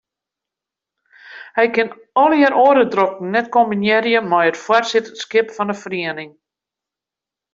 Hij kin allegear oare drokten net kombinearje mei it foarsitterskip fan 'e feriening.